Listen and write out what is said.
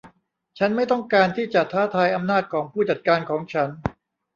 ฉันไม่ต้องการที่จะท้าทายอำนาจของผู้จัดการของฉัน